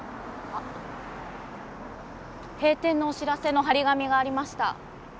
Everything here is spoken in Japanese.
閉店のお知らせの張り紙がありました。